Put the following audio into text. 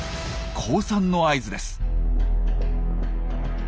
降参の合図です。